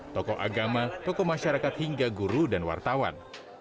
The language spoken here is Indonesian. tokoh agama tokoh masyarakat hingga guru dan wartawan